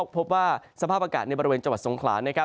พบว่าสภาพอากาศในบริเวณจังหวัดสงขลานะครับ